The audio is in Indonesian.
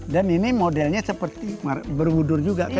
dan ini modelnya seperti borobudur juga kan